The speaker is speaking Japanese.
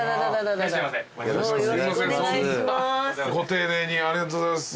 ご丁寧にありがとうございます。